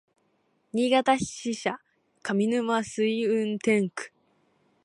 新潟支社上沼垂運転区